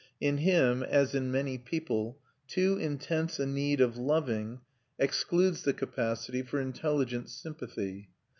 In him, as in many people, too intense a need of loving excludes the capacity for intelligent sympathy.